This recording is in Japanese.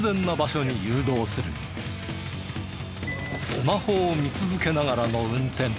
スマホを見続けながらの運転。